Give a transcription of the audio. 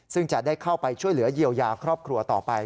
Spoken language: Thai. ซึ่งจะได้เข้าไปช่วยเหลือเยียวยาครอบครัวต่อไป